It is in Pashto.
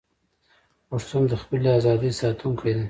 پښتون د خپلې ازادۍ ساتونکی دی.